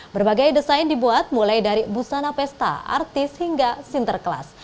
berbagai desain dibuat mulai dari busana pesta artis hingga sinterklas